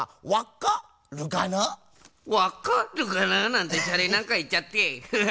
「『わっか』るかな？」なんてシャレなんかいっちゃってフハ。